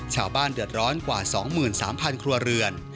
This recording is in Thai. ชาวบ้านเดือดร้อนกว่า๒๓๐๐ครัวเรือน